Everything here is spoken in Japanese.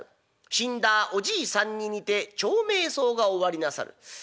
死んだおじいさんに似て長命相がおありなさる。